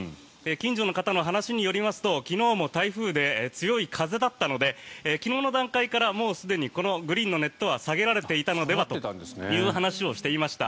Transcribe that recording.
近所の方の話によりますと昨日も台風で強い風だったので昨日の段階からもうすでにこのグリーンのネットは下がっていたのではないかと話していました。